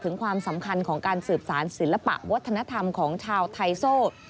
ความสำคัญของการสืบสารศิลปะวัฒนธรรมของชาวไทโซ